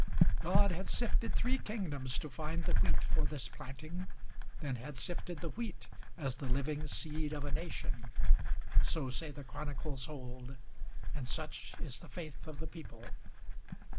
God had sifted three kingdoms to find the wheat for this planting, Then had sifted the wheat, as the living seed of a nation; So say the chronicles old, and such is the faith of the people!